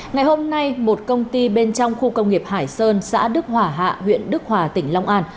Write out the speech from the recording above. ngày hôm nay một công ty bên trong khu công nghiệp hải sơn xã đức hỏa hạ huyện đức hòa tỉnh long an